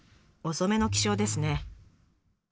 遅めの起床ですね。